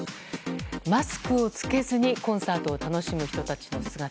マスクを着けずにコンサートを楽しむ人たちの姿。